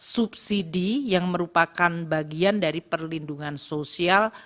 subsidi yang merupakan bagian dari perlindungan sosial